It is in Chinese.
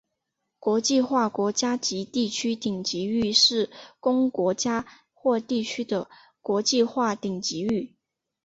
国际化国家及地区顶级域是供国家或地区的国际化顶级域。